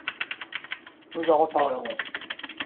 Nous en reparlerons.